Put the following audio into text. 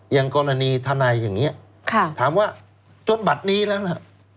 อย่างกรณีทนายอย่างนี้ถามว่าจนบัตรนี้แล้วนะ